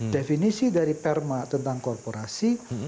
definisi dari perma tentang korporasi